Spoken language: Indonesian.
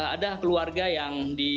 ada keluarga yang di